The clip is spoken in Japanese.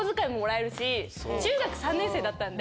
中学３年生だったんで。